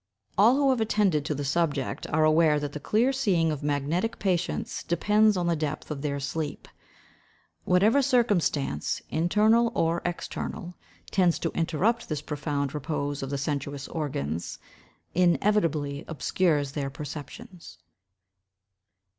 All who have attended to the subject are aware that the clear seeing of magnetic patients depends on the depth of their sleep; whatever circumstance, internal or external, tends to interrupt this profound repose of the sensuous organs, inevitably obscures their perceptions.